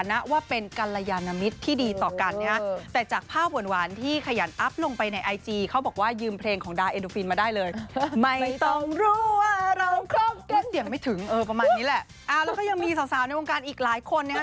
แล้วก็ยังมีสาวในวงการอีกหลายคนนะครับ